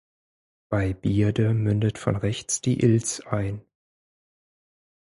Bei Bierde mündet von rechts die Ils ein.